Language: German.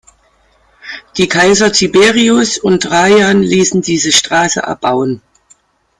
Die Kaiser Tiberius und Trajan ließen diese Straße erbauen.